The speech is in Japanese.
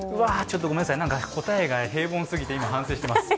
ごめんなさい、答えが平凡すぎて今、反省してます。